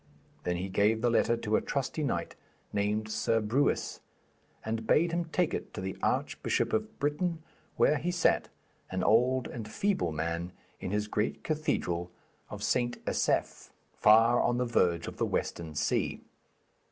Then he gave the letter to a trusty knight, named Sir Brewis, and bade him take it to the Archbishop of Britain, where he sat, an old and feeble man, in his great cathedral of St. Asaph, far on the verge of the western sea.